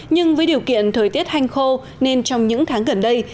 nhưng với điều kiện thời tiết hanh khô nên trong những tháng gần đây